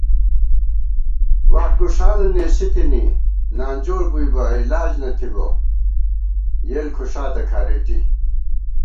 واٹ گُݭانہ نېسِی تِنی نانجوڑ بُوئی بہ علاج نہ تھِبہ یېل کھُݭاتہ کھارېٹی